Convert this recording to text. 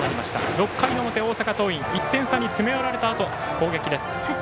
６回の表、大阪桐蔭１点差に詰め寄られたあとの攻撃です。